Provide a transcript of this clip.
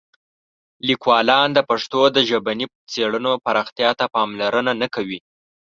لیکوالان د پښتو د ژبني څېړنو پراختیا ته پاملرنه نه کوي.